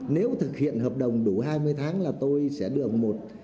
nếu thực hiện hợp đồng đủ hai mươi tháng là tôi sẽ được một